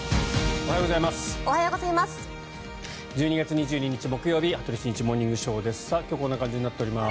おはようございます。